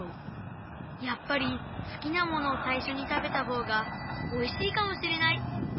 やっぱりすきなものをさいしょに食べた方がおいしいかもしれない！